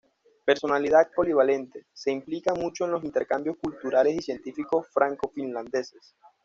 Personalidad polivalente, se implica mucho en los intercambios culturales y científicos franco-finlandeses.